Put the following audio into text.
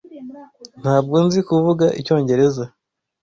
Ntabwo nzi kuvuga icyongereza.